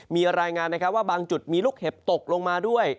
มีรายงานนะครับว่าบางจุดมีลูกเห็บตกลงมาด้วย